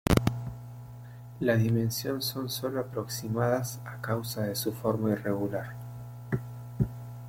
La dimensión son solo aproximadas a causa de su forma irregular